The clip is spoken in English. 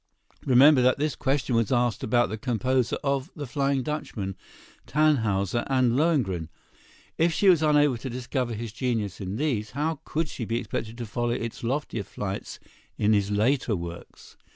Remember that this question was asked about the composer of "The Flying Dutchman," "Tannhäuser" and "Lohengrin." If she was unable to discover his genius in these, how could she be expected to follow its loftier flights in his later works?